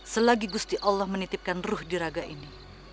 selagi gusti allah menitipkan ruh diraga ini